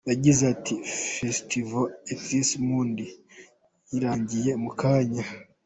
Yagize ati: “Festival Axis Mundi irangiye mukanya.